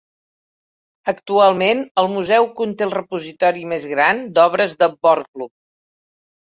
Actualment el museu conté el repositori més gran d'obres de Borglum.